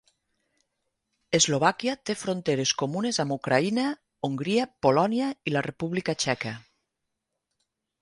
Eslovàquia té fronteres comunes amb Ucraïna, Hongria, Polònia i la República Txeca.